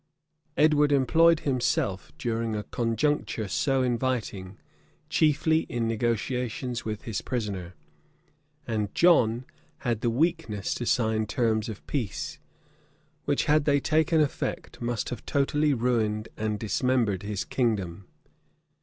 Edward employed himself, during a conjuncture so inviting, chiefly in negotiations with his prisoner; and John had the weakness to sign terms of peace, which, had they taken effect, must have totally ruined and dismembered his kingdom.